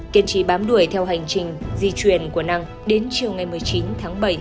kiên trì bám đuổi theo hành trình di truyền của năng đến chiều ngày một mươi chín tháng bảy